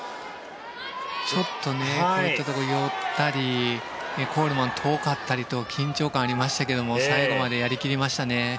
ちょっとこういったところ寄ったりコールマン、遠かったりと緊張感がありましたが最後までやり切りましたね。